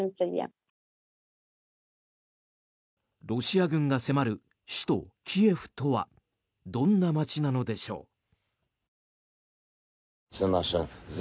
ロシア軍が迫る首都キエフとはどんな街なのでしょう。